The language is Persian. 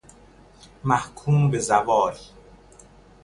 محکوم به زوال